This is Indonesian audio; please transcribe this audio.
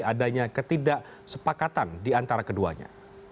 adanya ketidaksepakatan di antara keduanya